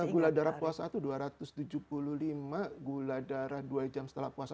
gula darah puasa dua ratus tujuh puluh lima gula darah dua jam setelah puasa empat ratus lima puluh